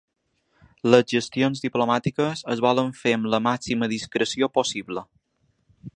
Les gestions diplomàtiques es volen fer amb la màxima discreció possible.